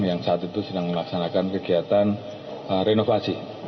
yang saat itu sedang melaksanakan kegiatan renovasi